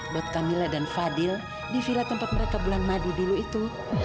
buat camilla dan fadil di villa tempat mereka bulan madu dulu itu